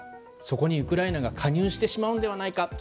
そこにウクライナが加入してしまうのではないか。